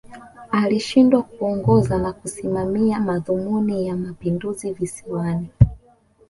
Alishindwa kuongoza na kusimamia madhumuni ya Mapinduzi Visiwani